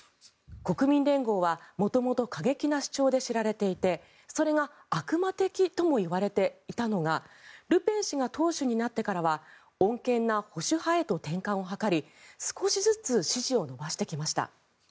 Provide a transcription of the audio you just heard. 国民連合は、元々過激な主張で知られていてそれが悪魔的ともいわれていたのがルペン氏が党首になってからは穏健な保守派へと転換を図り少しずつ支持を伸ばしてきました。